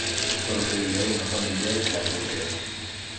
Procedía de una familia de clase obrera.